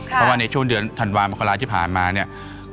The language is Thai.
เพราะว่าในช่วงเดือนธันวามกราที่ผ่านมาเนี่ย